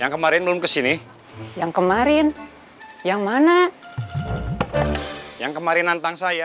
yang kemarin belum kesini yang kemarin yang mana yang kemarin nantang saya